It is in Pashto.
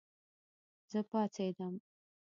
زه پاڅېدم